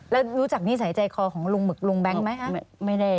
แล้วรู้จักนิสัยใจคอของลุงหึกลุงแบงค์ไหม